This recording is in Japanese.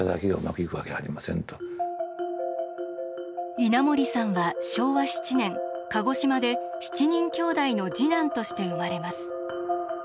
稲盛さんは昭和７年鹿児島で７人きょうだいの次男として生まれます。